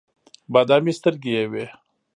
بادامي سترګې یې وې.